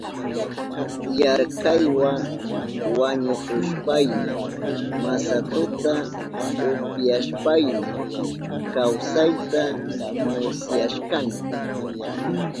Yarkaywa wañuhushpayni masatuta upyashpayni kawsayta musyashkani.